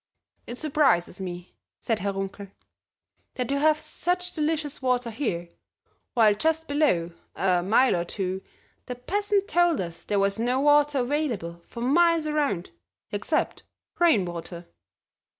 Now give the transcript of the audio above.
"It surprises me," said Herr Runkel, "that you have such delicious water here, while just below, a mile or two, the peasant told us there was no water available for miles around, except rain water."